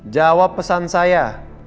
jawab pesan saya